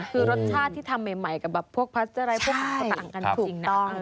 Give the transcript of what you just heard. คือรสชาติที่ทำใหม่กับแบบพวกพัสต์อะไรพวกมันต่างกันถูกต้อง